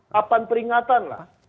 kapan peringatan lah